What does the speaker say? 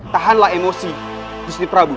tahanlah emosi gusli prabu